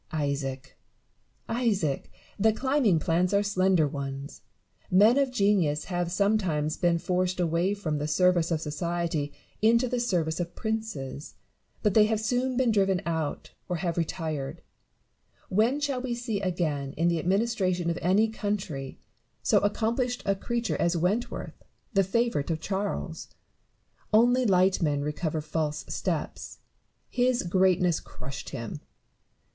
Isaac ! Isaac ! the climbing plants are slender ones. Men of genius have sometimes been forced away from the service of society into the service of princes ; but they have soon been driven out, or have retired. When shall we see again, in the administration of any country, so accomplished BARROW AND NEWTON. 195 a creature as Wentworth, the favourite of Charles 1 Ouly light men recover false steps; his greatness crushed him.